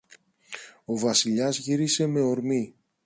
Ο Βασιλιάς γύρισε με ορμή.